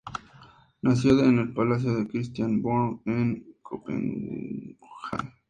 Nació en el Palacio de Christiansborg en Copenhague.